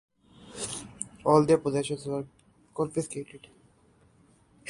All their possessions were confiscated.